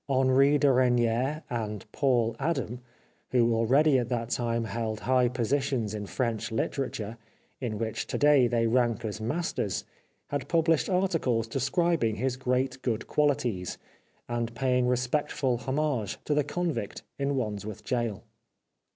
Henri de Regnier and Paul Adam, 403 The Life of Oscar Wilde who already at that time held high positions in French literature, in which to day they rank as masters, had published articles describing his great good qualities, and paying respectful homage to the convict in Wandsworth Gaol.